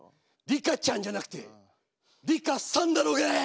「リカちゃんじゃなくてリカさんだろうがい！」。